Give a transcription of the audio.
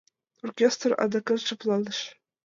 Оркестр адакат шыпланыш.